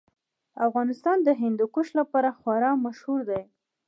افغانستان د هندوکش لپاره خورا مشهور دی.